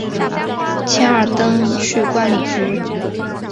钱尔登去官里居。